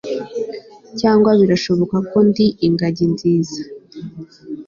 cyangwa birashoboka ko ndi ingagi nziza